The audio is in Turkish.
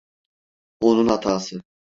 Onun hatası.